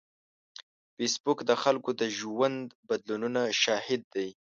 فېسبوک د خلکو د ژوند بدلونونو شاهد دی